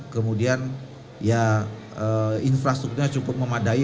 kemudian infrastrukturnya cukup memadai